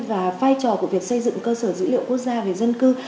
và vai trò của việc xây dựng cơ sở dữ liệu quốc gia về dân cư